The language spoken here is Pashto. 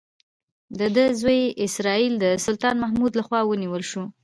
د ده زوی اسراییل د سلطان محمود لخوا ونیول شو.